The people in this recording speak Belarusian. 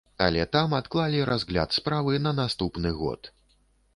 Але там адклалі разгляд справы на наступны год.